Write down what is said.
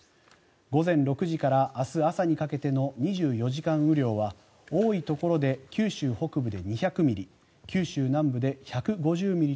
午前６時から明日朝にかけての２４時間雨量は多いところで九州北部で２００ミリ